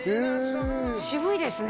渋いですね